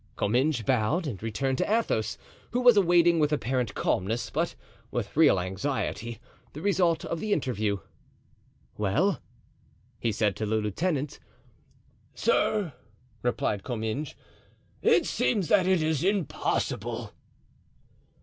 Comminges bowed, and returned to Athos, who was awaiting with apparent calmness, but with real anxiety, the result of the interview. "Well?" he said to the lieutenant. "Sir," replied Comminges, "it seems that it is impossible."